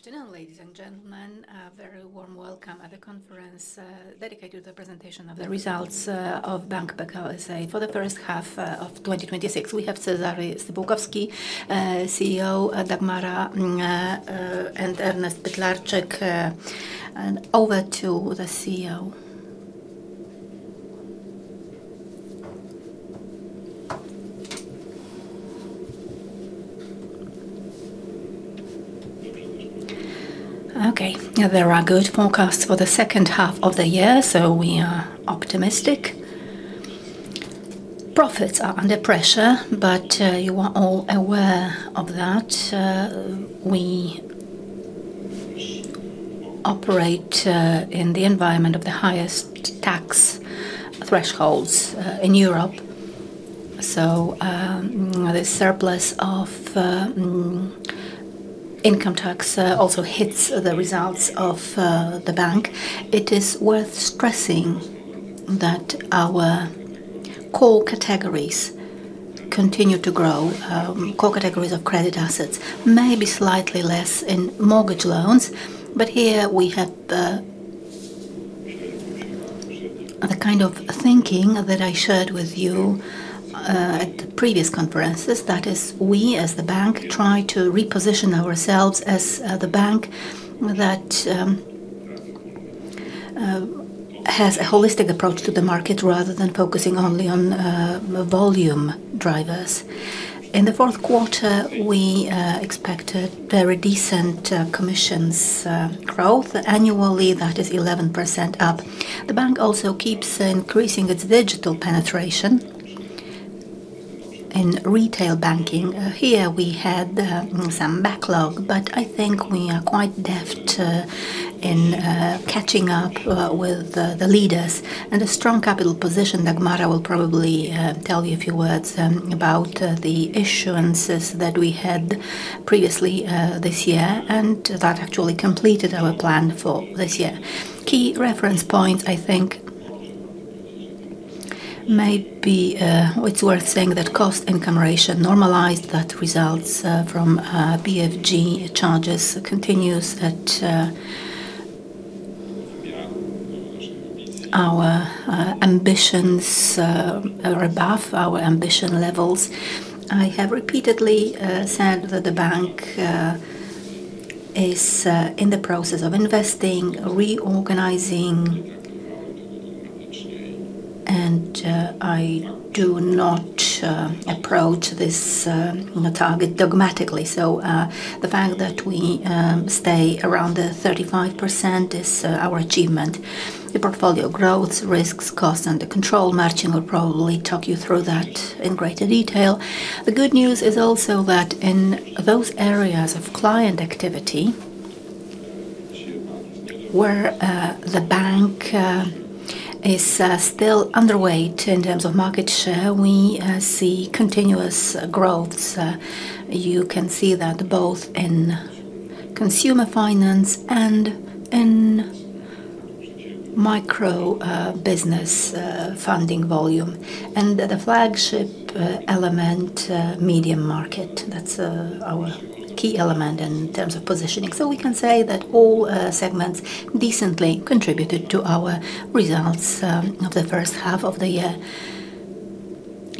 Good afternoon, ladies and gentlemen. A very warm welcome at the conference dedicated to the presentation of the results of Bank Pekao SA for the first half of 2026. We have Cezary Stypułkowski, CEO, Dagmara, and Ernest Pytlarczyk. Over to the CEO. There are good forecasts for the second half of the year, we are optimistic. Profits are under pressure, you are all aware of that. We operate in the environment of the highest tax thresholds in Europe. The surplus of income tax also hits the results of the bank. It is worth stressing that our core categories continue to grow. Core categories of credit assets, maybe slightly less in mortgage loans, here we have the kind of thinking that I shared with you at previous conferences. We, as the bank, try to reposition ourselves as the bank that has a holistic approach to the market rather than focusing only on volume drivers. In the fourth quarter, we expect a very decent commissions growth. Annually, that is 11% up. The bank also keeps increasing its digital penetration in retail banking. Here, we had some backlog, I think we are quite deft in catching up with the leaders. A strong capital position, Dagmara will probably tell you a few words about the issuances that we had previously this year, that actually completed our plan for this year. Key reference point, I think, it's worth saying that cost income ratio normalized that results from BFG charges continues at our ambitions are above our ambition levels. I have repeatedly said that the bank is in the process of investing, reorganizing, I do not approach this target dogmatically. The fact that we stay around the 35% is our achievement. The portfolio growth, risks, costs, the control, Marcin will probably talk you through that in greater detail. The good news is also that in those areas of client activity where the bank is still underweight in terms of market share, we see continuous growth. You can see that both in consumer finance and in micro business funding volume. The flagship element, medium market. That's our key element in terms of positioning. We can say that all segments decently contributed to our results of the first half of the year.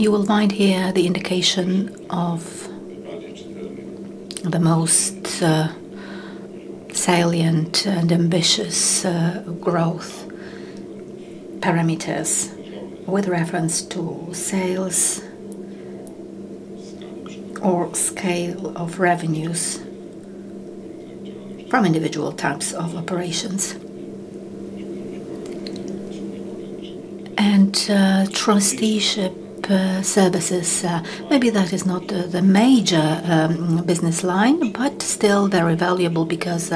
You will find here the indication of the most salient and ambitious growth parameters with reference to sales or scale of revenues from individual types of operations. Trusteeship services, maybe that is not the major business line, still very valuable because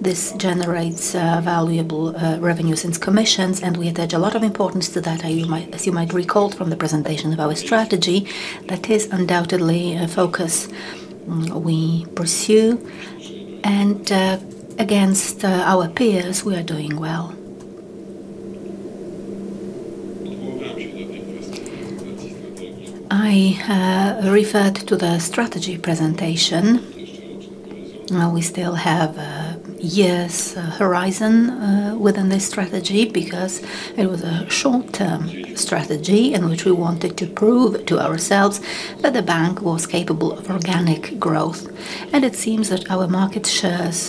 this generates valuable revenues since commissions, we attach a lot of importance to that. As you might recall from the presentation of our strategy, that is undoubtedly a focus we pursue. Against our peers, we are doing well. I referred to the strategy presentation. We still have a year's horizon within this strategy because it was a short-term strategy in which we wanted to prove to ourselves that the bank was capable of organic growth. It seems that our market shares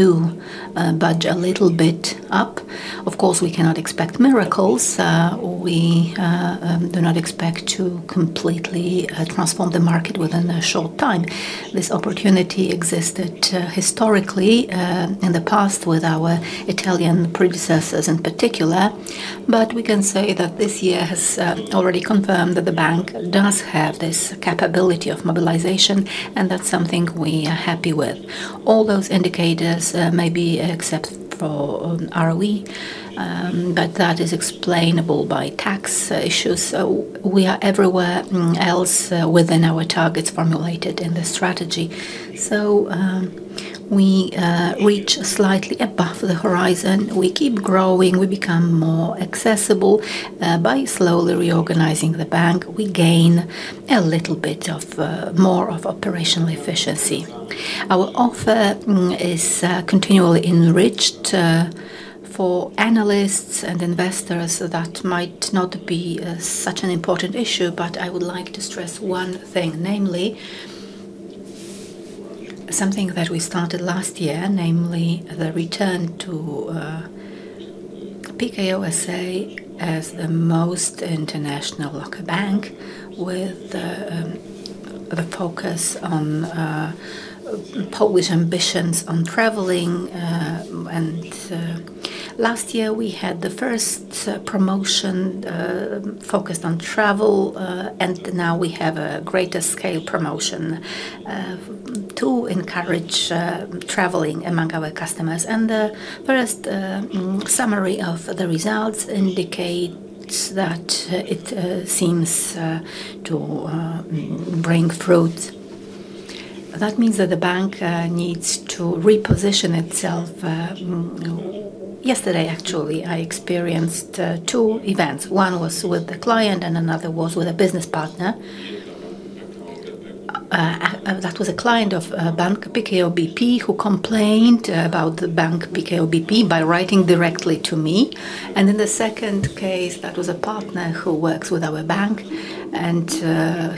do budge a little bit up. Of course, we cannot expect miracles. We do not expect to completely transform the market within a short time. This opportunity existed historically in the past with our Italian predecessors in particular. We can say that this year has already confirmed that the bank does have this capability of mobilization, and that is something we are happy with. All those indicators may be except for ROE, but that is explainable by tax issues. We are everywhere else within our targets formulated in the strategy. We reach slightly above the horizon. We keep growing. We become more accessible. By slowly reorganizing the bank, we gain a little bit more of operational efficiency. Our offer is continually enriched. For analysts and investors, that might not be such an important issue, but I would like to stress one thing. Something that we started last year, namely the return to Pekao SA as the most international local bank, with the focus on Polish ambitions on traveling. Last year we had the first promotion focused on travel. Now we have a greater scale promotion to encourage traveling among our customers. The first summary of the results indicates that it seems to bring fruit. That means that the bank needs to reposition itself. Yesterday, actually, I experienced two events. One was with a client and another was with a business partner. That was a client of Bank PKO BP, who complained about the Bank PKO BP by writing directly to me. In the second case, that was a partner who works with our bank, and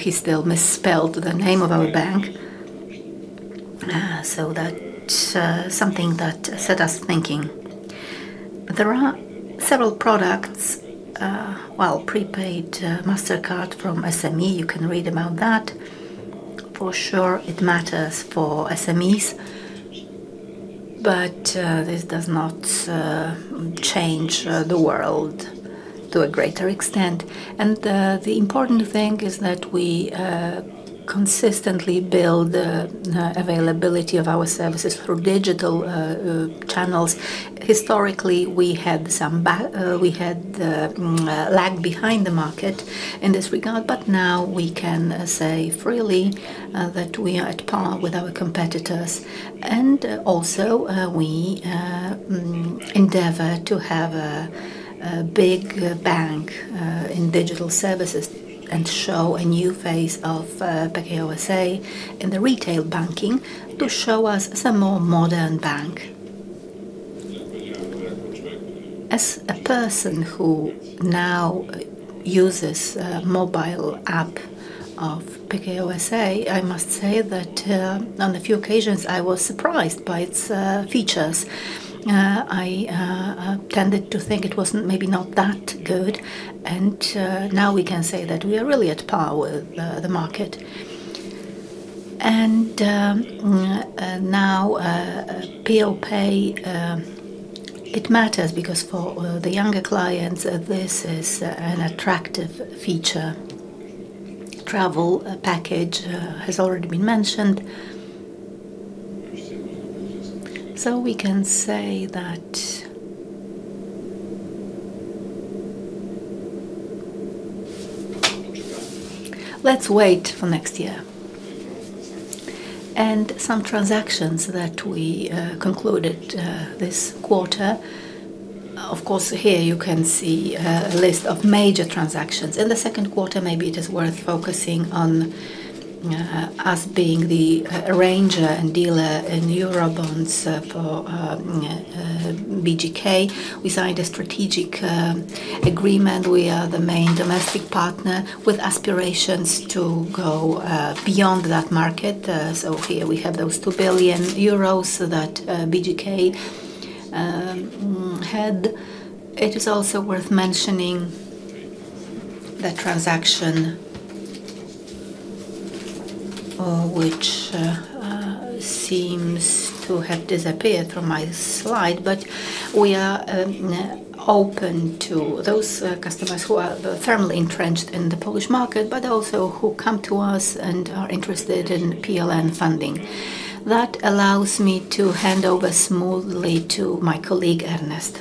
he still misspelled the name of our bank. That is something that set us thinking. There are several products, well, prepaid Mastercard from SME, you can read about that. For sure, it matters for SMEs, but this does not change the world to a greater extent. The important thing is that we consistently build availability of our services through digital channels. Historically, we had lagged behind the market in this regard, but now we can say freely that we are at par with our competitors. Also, we endeavor to have a big bank in digital services and show a new phase of Pekao SA in the retail banking to show us a more modern bank. As a person who now uses a mobile app of Pekao SA, I must say that on a few occasions I was surprised by its features. I tended to think it was maybe not that good. Now we can say that we are really at par with the market. Now PeoPay, it matters because for the younger clients, this is an attractive feature. Travel package has already been mentioned. We can say that Let's wait for next year. Some transactions that we concluded this quarter. Of course, here you can see a list of major transactions. In the second quarter, maybe it is worth focusing on us being the arranger and dealer in Eurobonds for BGK. We signed a strategic agreement. We are the main domestic partner with aspirations to go beyond that market. Here we have those 2 billion euros that BGK had. It is also worth mentioning the transaction which seems to have disappeared from my slide. We are open to those customers who are firmly entrenched in the Polish market, but also who come to us and are interested in PLN funding. That allows me to hand over smoothly to my colleague, Ernest.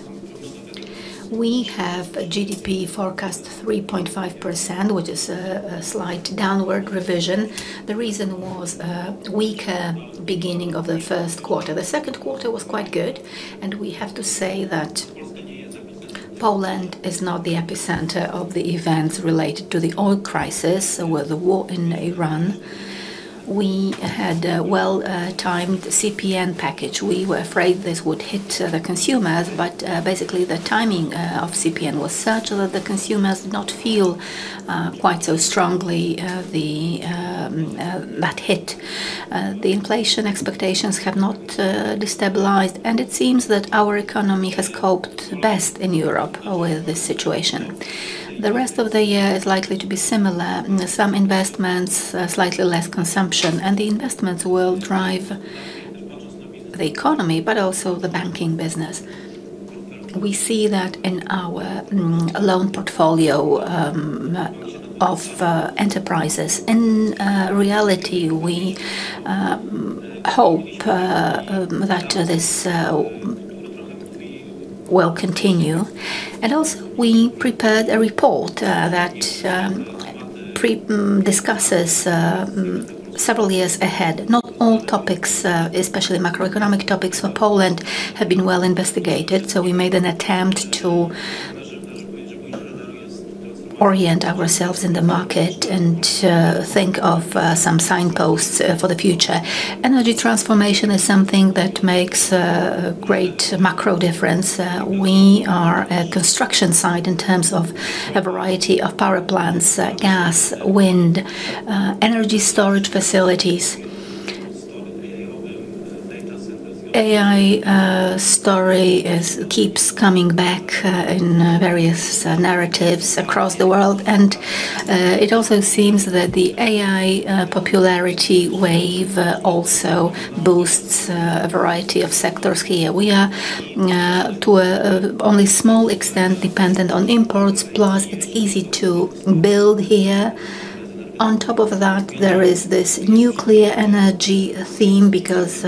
We have a GDP forecast 3.5%, which is a slight downward revision. The reason was a weaker beginning of the first quarter. The second quarter was quite good and we have to say that Poland is not the epicenter of the events related to the oil crisis with the war in Iran. We had a well-timed CPN package. We were afraid this would hit the consumers. Basically, the timing of CPN was such that the consumers did not feel quite so strongly that hit. The inflation expectations have not destabilized. It seems that our economy has coped best in Europe with this situation. The rest of the year is likely to be similar. Some investments, slightly less consumption. The investments will drive the economy, but also the banking business. We see that in our loan portfolio of enterprises. In reality, we hope that this will continue. Also, we prepared a report that discusses several years ahead. Not all topics, especially macroeconomic topics for Poland, have been well investigated. We made an attempt to orient ourselves in the market and think of some signposts for the future. Energy transformation is something that makes a great macro difference. We are a construction site in terms of a variety of power plants, gas, wind, energy storage facilities. AI story keeps coming back in various narratives across the world. It also seems that the AI popularity wave also boosts a variety of sectors here. We are, to only small extent, dependent on imports, plus it's easy to build here. On top of that, there is this nuclear energy theme because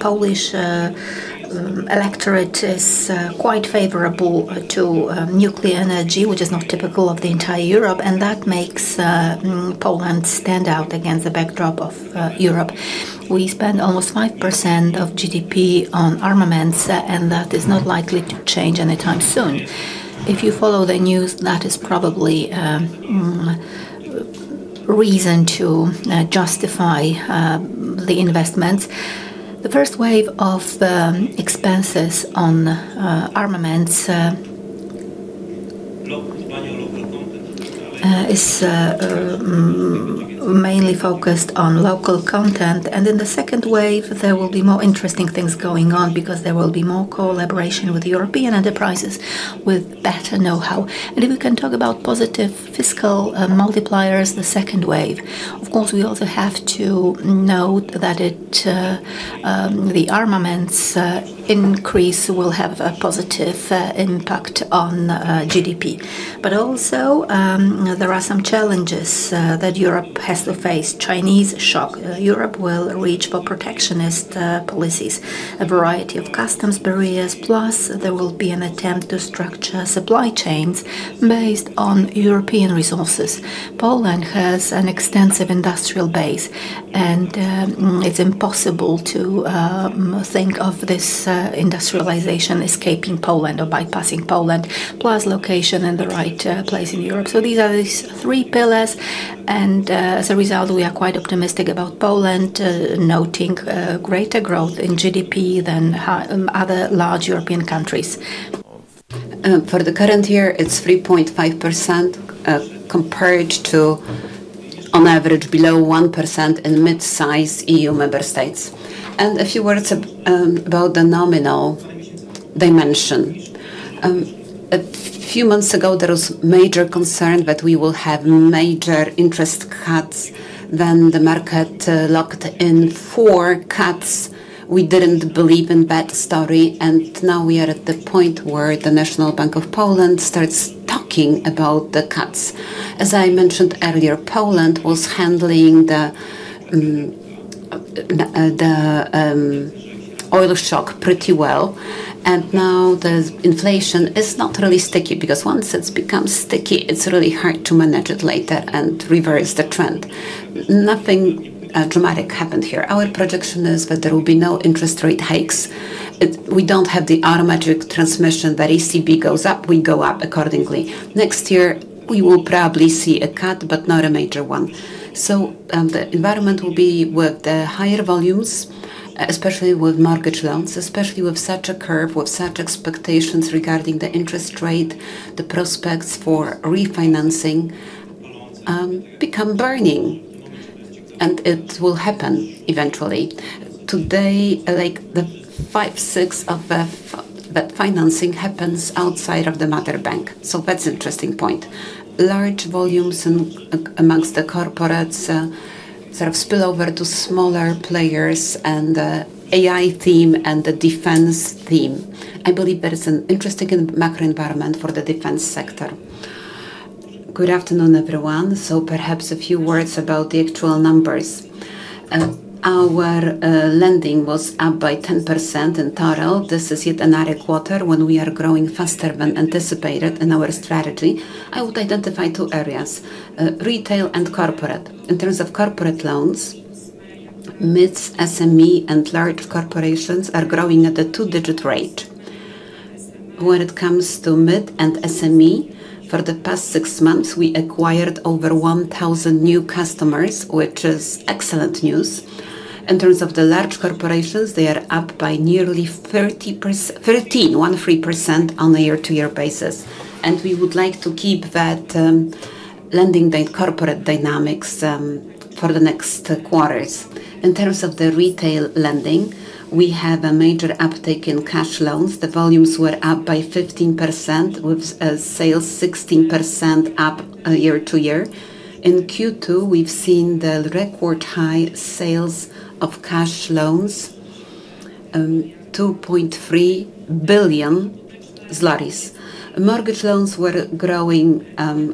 Polish electorate is quite favorable to nuclear energy, which is not typical of the entire Europe. That makes Poland stand out against the backdrop of Europe. We spend almost 5% of GDP on armaments. That is not likely to change anytime soon. If you follow the news, that is probably reason to justify the investments. The first wave of expenses on armaments is mainly focused on local content. In the second wave, there will be more interesting things going on because there will be more collaboration with European enterprises with better know-how. If we can talk about positive fiscal multipliers, the second wave. Of course, we also have to note that the armaments increase will have a positive impact on GDP. Also, there are some challenges that Europe has to face. Chinese shock. Europe will reach for protectionist policies, a variety of customs barriers, plus there will be an attempt to structure supply chains based on European resources. Poland has an extensive industrial base. It's impossible to think of this industrialization escaping Poland or bypassing Poland, plus location in the right place in Europe. These are these three pillars. As a result, we are quite optimistic about Poland, noting greater growth in GDP than other large European countries. For the current year, it's 3.5%, compared to, on average, below 1% in mid-size EU member states. A few words about the nominal dimension. A few months ago, there was major concern that we will have major interest cuts. The market locked in four cuts. We didn't believe in that story. Now we are at the point where the National Bank of Poland starts talking about the cuts. As I mentioned earlier, Poland was handling the oil shock pretty well. Now the inflation is not really sticky, because once it's become sticky, it's really hard to manage it later and reverse the trend. Nothing dramatic happened here. Our projection is that there will be no interest rate hikes. We don't have the automatic transmission that ECB goes up, we go up accordingly. Next year, we will probably see a cut, but not a major one. The environment will be with the higher volumes, especially with mortgage loans, especially with such a curve, with such expectations regarding the interest rate. The prospects for refinancing become burning, and it will happen eventually. Today, the 5/6 of that financing happens outside of the mother bank. That's interesting point. Large volumes amongst the corporates sort of spill over to smaller players and the AI theme and the defense theme. I believe that is an interesting macro environment for the defense sector. Good afternoon, everyone. Perhaps a few words about the actual numbers. Our lending was up by 10% in total. This is yet another quarter when we are growing faster than anticipated in our strategy. I would identify two areas, retail and corporate. In terms of corporate loans, mid, SME, and large corporations are growing at a two-digit rate. When it comes to mid and SME, for the past six months, we acquired over 1,000 new customers, which is excellent news. In terms of the large corporations, they are up by nearly 13% on a year-to-year basis. We would like to keep that lending the corporate dynamics for the next quarters. In terms of the retail lending, we have a major uptick in cash loans. The volumes were up by 15%, with sales 16% up year-to-year. In Q2, we've seen the record high sales of cash loans, 2.3 billion. Mortgage loans were growing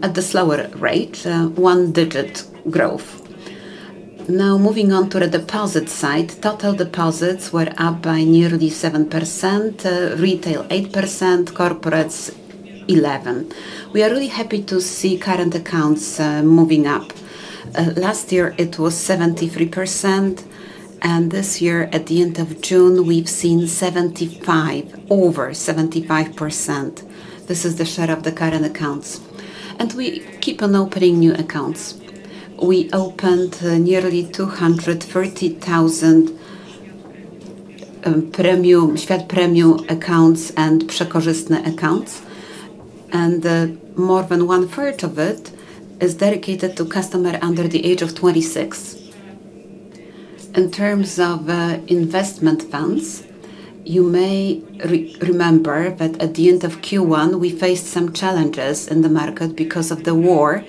at the slower rate, one-digit growth. Moving on to the deposit side. Total deposits were up by nearly 7%, retail 8%, corporates 11%. We are really happy to see current accounts moving up. Last year, it was 73%. This year, at the end of June, we've seen over 75%. This is the share of the current accounts. We keep on opening new accounts. We opened nearly 230,000 Świat Premium accounts and Przekorzystne accounts. More than 1/3 of it is dedicated to customer under the age of 26. In terms of investment funds, you may remember that at the end of Q1, we faced some challenges in the market because of the war.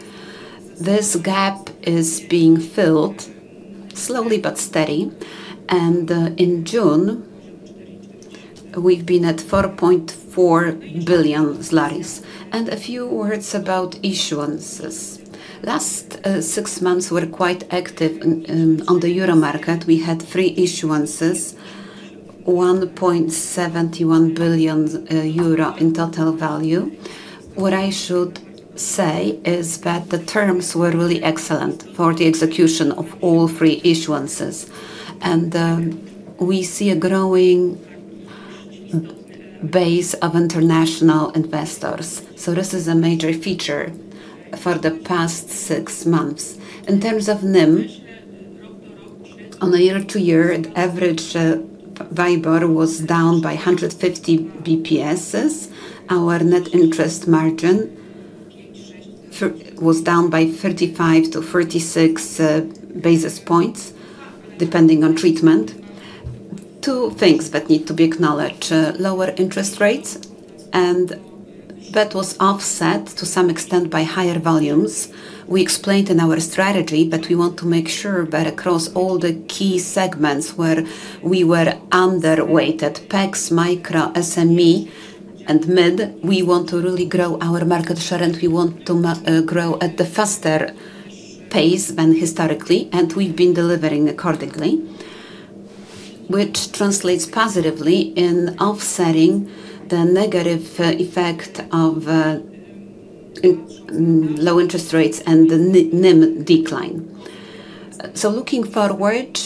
This gap is being filled slowly but steady. In June, we've been at 4.4 billion. A few words about issuances. Last six months were quite active on the euro market. We had three issuances, 1.71 billion euro in total value. What I should say is that the terms were really excellent for the execution of all three issuances. We see a growing base of international investors, so this is a major feature for the past six months. In terms of NIM, on a year-to-year average, WIBOR was down by 150 basis points. Our net interest margin was down by 35 basis points-36 basis points, depending on treatment. Two things that need to be acknowledged, lower interest rates, and that was offset to some extent by higher volumes. We explained in our strategy that we want to make sure that across all the key segments where we were underweighted, PEX, Micro, SME, and Mid, we want to really grow our market share, and we want to grow at the faster pace than historically, and we've been delivering accordingly, which translates positively in offsetting the negative effect of low interest rates and the NIM decline. Looking forward,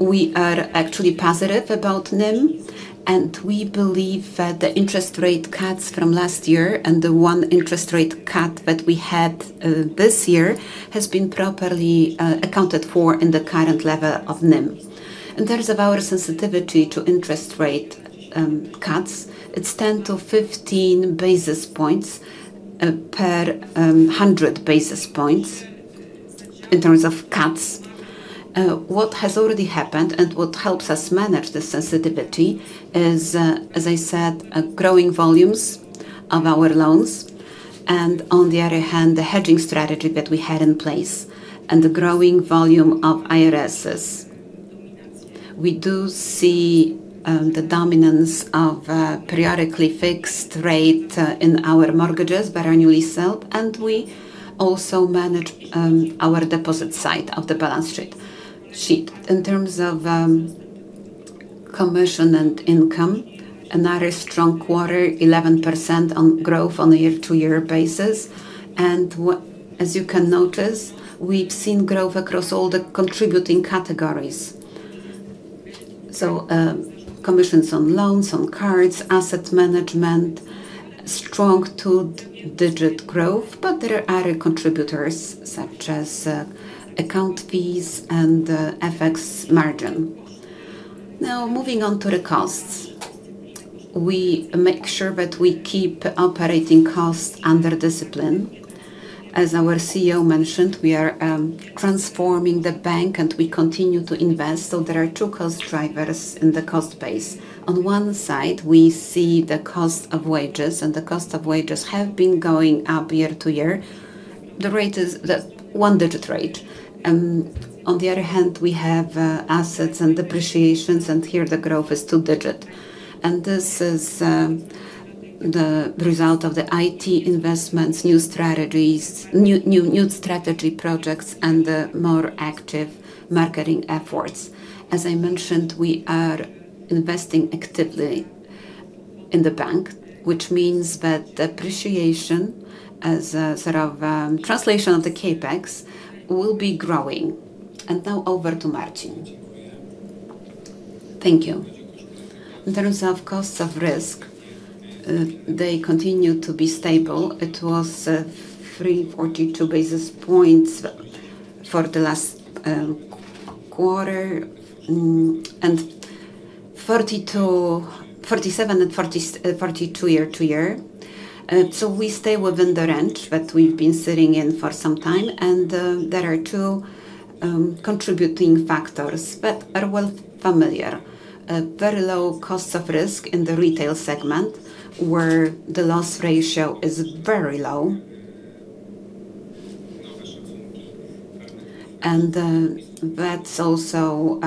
we are actually positive about NIM, and we believe that the interest rate cuts from last year and the one interest rate cut that we had this year has been properly accounted for in the current level of NIM. In terms of our sensitivity to interest rate cuts, it's 10 basis points-15 basis points per 100 basis points in terms of cuts. What has already happened, and what helps us manage the sensitivity is, as I said, growing volumes of our loans, and on the other hand, the hedging strategy that we had in place and the growing volume of IRSs. We do see the dominance of periodically fixed rate in our mortgages that are newly sold, and we also manage our deposit side of the balance sheet. In terms of commission and income, another strong quarter, 11% on growth on a year-to-year basis. As you can notice, we've seen growth across all the contributing categories. Commissions on loans, on cards, asset management, strong two-digit growth, but there are other contributors such as account fees and FX margin. Now, moving on to the costs. We make sure that we keep operating costs under discipline. As our CEO mentioned, we are transforming the bank, and we continue to invest, so there are two cost drivers in the cost base. On one side, we see the cost of wages, and the cost of wages have been going up year-to-year. The rate is one-digit rate. On the other hand, we have assets and depreciations, and here the growth is two-digit. This is the result of the IT investments, new strategy projects, and the more active marketing efforts. As I mentioned, we are investing actively in the bank, which means that depreciation as a sort of translation of the CapEx will be growing. Now over to Marcin. Thank you. In terms of costs of risk, they continue to be stable. It was 42 basis points for the last quarter, 47 basis points and 42 basis points year-to-year. We stay within the range that we've been sitting in for some time, there are two contributing factors that are well familiar. Very low cost of risk in the retail segment where the loss ratio is very low. That's also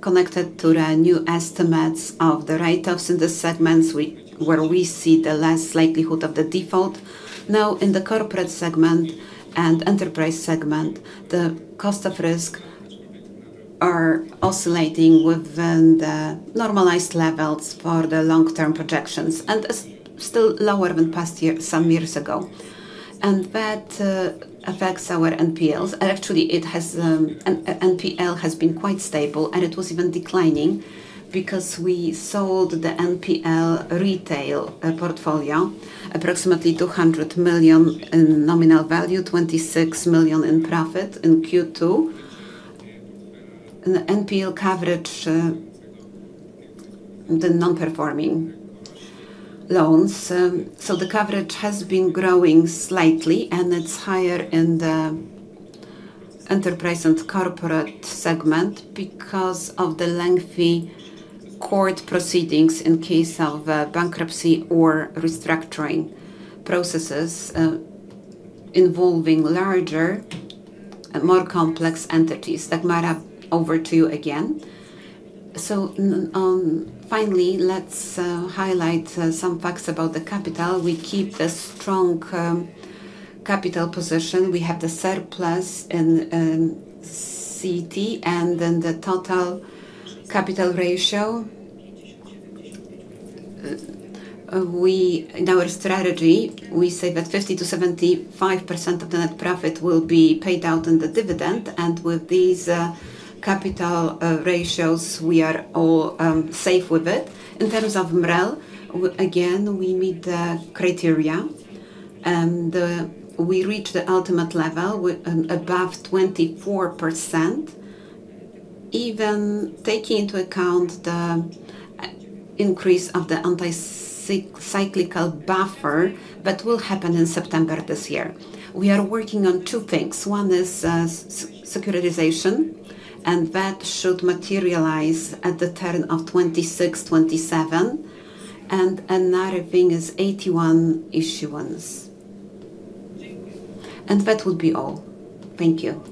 connected to the new estimates of the write-offs in the segments where we see the less likelihood of the default. In the corporate segment and enterprise segment, the cost of risk are oscillating within the normalized levels for the long-term projections and is still lower than some years ago. That affects our NPLs. Actually, NPL has been quite stable, it was even declining because we sold the NPL retail portfolio, approximately 200 million in nominal value, 26 million in profit in Q2. The NPL coverage, the non-performing loans. The coverage has been growing slightly, it's higher in the enterprise and corporate segment because of the lengthy court proceedings in case of bankruptcy or restructuring processes, involving larger and more complex entities. Dagmara, over to you again. Finally, let's highlight some facts about the capital. We keep a strong capital position. We have the surplus and CET, the total capital ratio. In our strategy, we say that 50%-75% of the net profit will be paid out in the dividend. With these capital ratios, we are all safe with it. In terms of MREL, again, we meet the criteria and we reach the ultimate level with above 24%, even taking into account the increase of the anti-cyclical buffer that will happen in September this year. We are working on two things. One is securitization, that should materialize at the turn of 2026, 2027, another thing is AT1 issuance. That would be all. Thank you.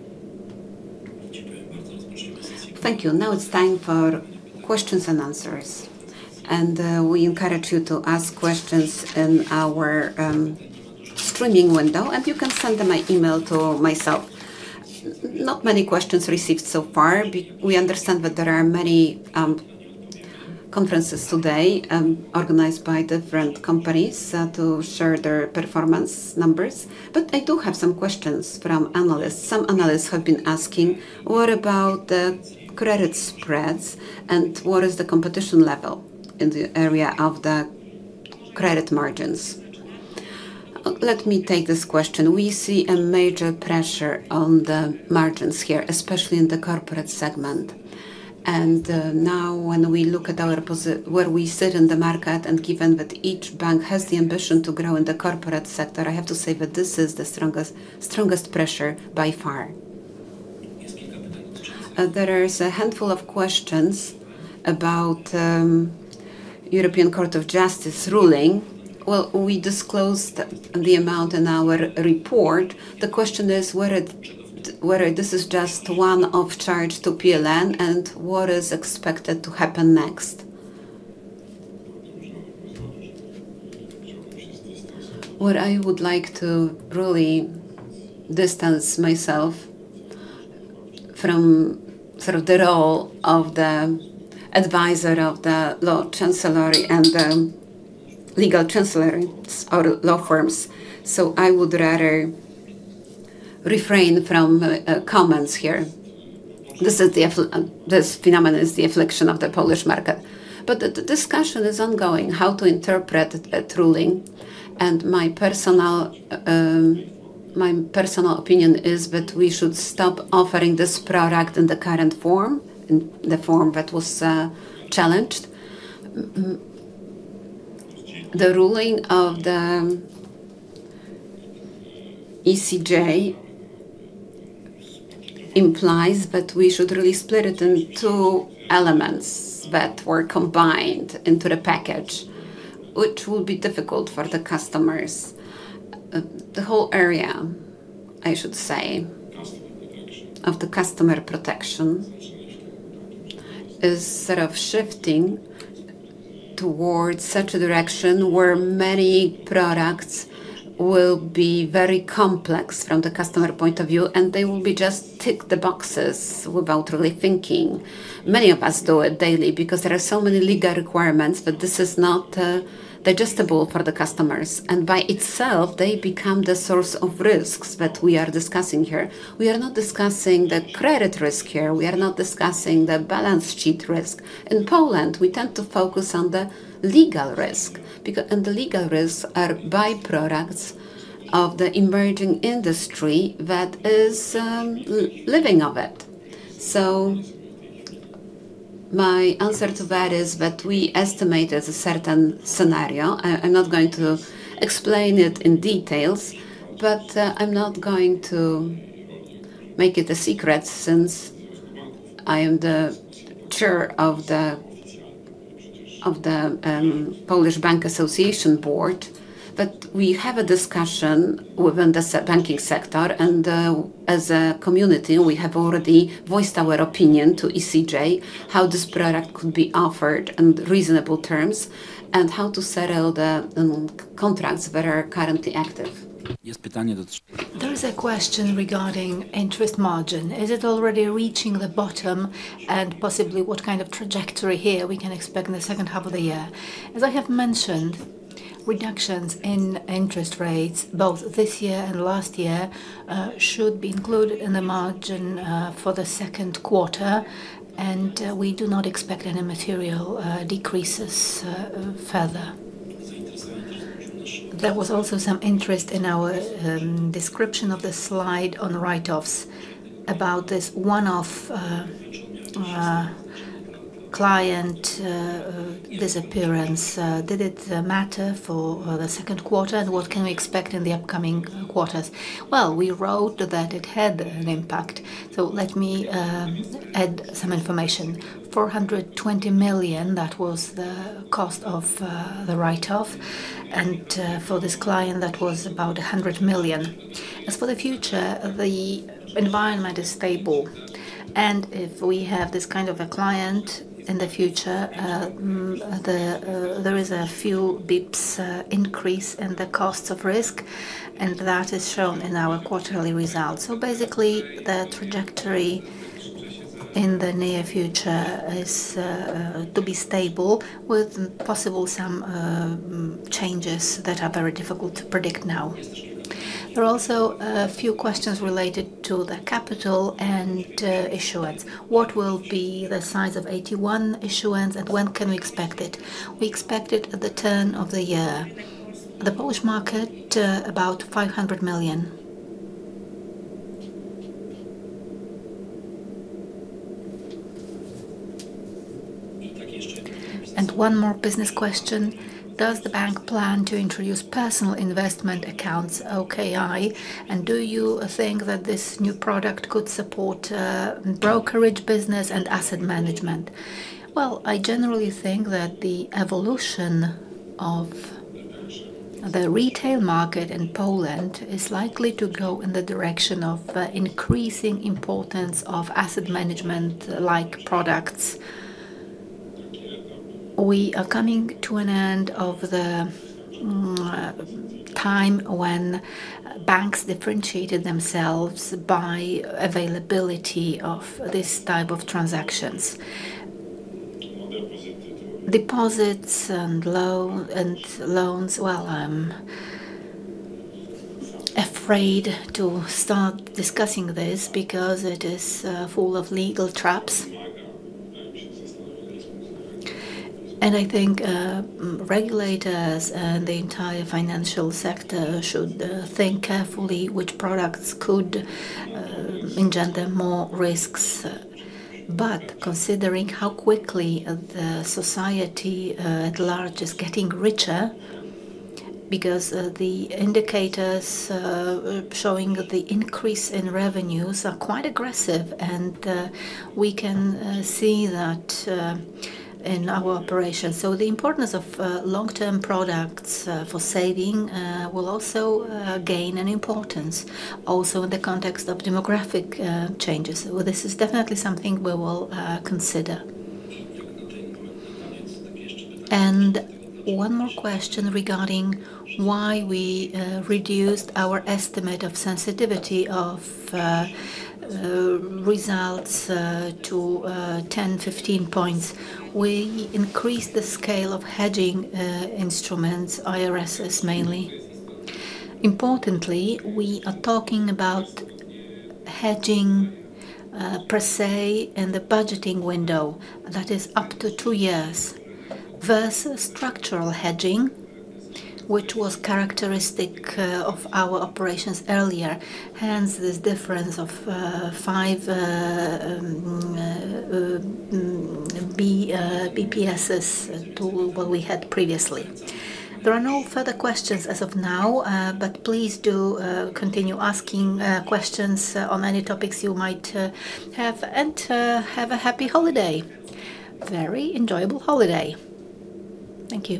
Thank you. Now it's time for questions and answers, we encourage you to ask questions in our streaming window, you can send an email to myself. Not many questions received so far. We understand that there are many conferences today, organized by different companies to share their performance numbers. I do have some questions from analysts. Some analysts have been asking, what about the credit spreads, what is the competition level in the area of the credit margins? Let me take this question. We see a major pressure on the margins here, especially in the corporate segment. Now when we look at where we sit in the market, given that each bank has the ambition to grow in the corporate sector, I have to say that this is the strongest pressure by far. There is a handful of questions about European Court of Justice ruling. We disclosed the amount in our report. The question is whether this is just one-off charge to PLN, what is expected to happen next. What I would like to really distance myself from the role of the advisor of the law chancellory and the legal chancellories or law firms. I would rather refrain from comments here. This phenomenon is the affliction of the Polish market, the discussion is ongoing how to interpret that ruling, my personal opinion is that we should stop offering this product in the current form, in the form that was challenged. The ruling of the CJEU implies that we should really split it in two elements that were combined into the package, which will be difficult for the customers. The whole area, I should say, of the customer protection is sort of shifting towards such a direction where many products will be very complex from the customer point of view, and they will be just tick the boxes without really thinking. Many of us do it daily because there are so many legal requirements that this is not digestible for the customers. By itself, they become the source of risks that we are discussing here. We are not discussing the credit risk here. We are not discussing the balance sheet risk. In Poland, we tend to focus on the legal risk, and the legal risks are byproducts of the emerging industry that is living off it. My answer to that is that we estimate as a certain scenario. I'm not going to explain it in details, but I'm not going to make it a secret since I am the chair of the Polish Bank Association Board. We have a discussion within the banking sector, and as a community, we have already voiced our opinion to CJEU how this product could be offered on reasonable terms and how to settle the contracts that are currently active. There is a question regarding interest margin. Is it already reaching the bottom, and possibly what kind of trajectory here we can expect in the second half of the year? As I have mentioned, reductions in interest rates both this year and last year, should be included in the margin for the second quarter, and we do not expect any material decreases further. There was also some interest in our description of the slide on write-offs about this one-off client disappearance. Did it matter for the second quarter? What can we expect in the upcoming quarters? Well, we wrote that it had an impact. Let me add some information. 420 million, that was the cost of the write-off, and for this client, that was about 100 million. As for the future, the environment is stable. If we have this kind of a client in the future, there is a few basis points increase in the costs of risk, and that is shown in our quarterly results. Basically, the trajectory in the near future is to be stable with possible some changes that are very difficult to predict now. There are also a few questions related to the capital and issuance. What will be the size of AT1 issuance, and when can we expect it? We expect it at the turn of the year. The Polish market, about 500 million. One more business question. Does the bank plan to introduce personal investment accounts, OKI? Do you think that this new product could support brokerage business and asset management? Well, I generally think that the evolution of the retail market in Poland is likely to go in the direction of increasing importance of asset management-like products. We are coming to an end of the time when banks differentiated themselves by availability of this type of transactions. Deposits and loans, well, I'm afraid to start discussing this because it is full of legal traps. I think regulators and the entire financial sector should think carefully which products could engender more risks. Considering how quickly the society at large is getting richer, because the indicators showing the increase in revenues are quite aggressive, and we can see that in our operations. The importance of long-term products for saving will also gain an importance, also in the context of demographic changes. This is definitely something we will consider. One more question regarding why we reduced our estimate of sensitivity of results to 10, 15 points. We increased the scale of hedging instruments, IRSs mainly. Importantly, we are talking about hedging per se in the budgeting window, that is up to two years, versus structural hedging, which was characteristic of our operations earlier, hence this difference of five BPSs to what we had previously. There are no further questions as of now. Please do continue asking questions on any topics you might have. Have a happy holiday. Very enjoyable holiday. Thank you